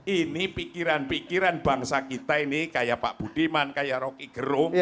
ini pikiran pikiran bangsa kita ini kayak pak budiman kayak rocky gerung